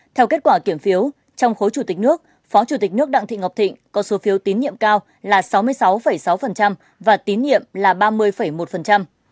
theo kết quả kiểm phiếu trong khối chủ tịch nước phó chủ tịch nước đặng thị ngọc thịnh có số phiếu tín nhiệm cao là sáu mươi sáu sáu và tín nhiệm là ba mươi một